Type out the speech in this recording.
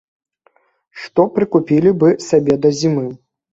Што прыкупілі бы сабе да зімы?